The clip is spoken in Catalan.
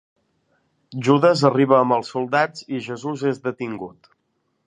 Judes arriba amb els soldats, i Jesús és detingut.